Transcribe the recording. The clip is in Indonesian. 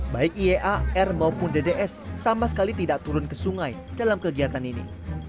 baik iea r maupun dds sama sekali tidak turun ke sungai dalam kegiatan ini